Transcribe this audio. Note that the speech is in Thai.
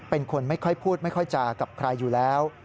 เป็นคนไม่ค่อยพูดไม่ค่อยจากับใครอยู่แล้ว